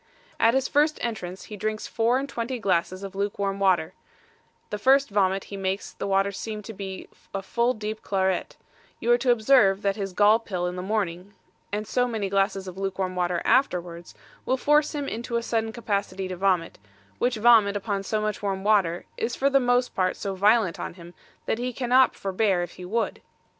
At his first entrance, he drinks four and twenty glasses of luke warm water, the first vomit he makes the water seems to be a full deep claret: you are to observe that his gall pill in the morning, and so many glasses of luke warm water afterwards, will force him into a sudden capacity to vomit, which vomit upon so much warm water, is for the most part so violent on him, that he cannot forbear if he would.